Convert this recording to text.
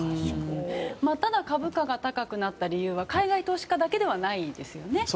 ただ株価が高くなった理由は海外投資家だけではないですよね。